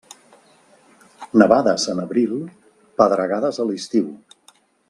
Nevades en abril, pedregades a l'estiu.